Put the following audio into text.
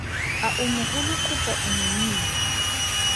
A o mogolo kgotsa o monnye?